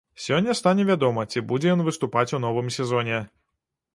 Сёння стане вядома, ці будзе ён выступаць у новым сезоне.